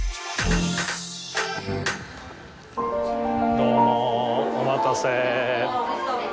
どうもお待たせ。